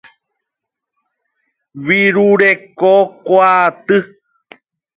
Virurekokuaaty.